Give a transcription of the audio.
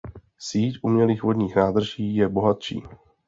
Síť umělých vodních nádrží je bohatší.